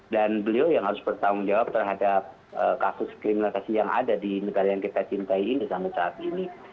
dan beliau yang harus bertanggung jawab terhadap kasus kriminalisasi yang ada di negara yang kita cintai ini sampai saat ini